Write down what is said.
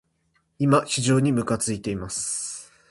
今、非常にむかついています。